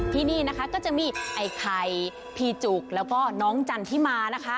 ที่นี่นะคะก็จะมีไอ้ไข่พี่จุกแล้วก็น้องจันทิมานะคะ